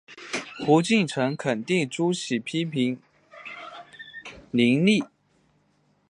胡晋臣肯定朱熹批评林栗。